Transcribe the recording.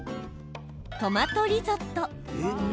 トマトリゾット。